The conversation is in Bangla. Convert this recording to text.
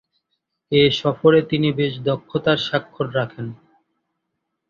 এ সফরে তিনি বেশ দক্ষতার স্বাক্ষর রাখেন।